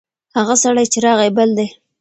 هغه سړی چې راغلی، بل دی.